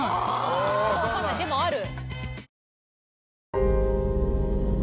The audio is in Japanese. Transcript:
あ分かんないでもある。